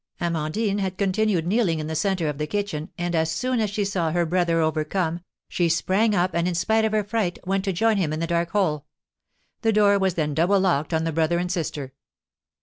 Amandine had continued kneeling in the centre of the kitchen, and, as soon as she saw her brother overcome, she sprang up and, in spite of her fright, went to join him in the dark hole. The door was then double locked on the brother and sister.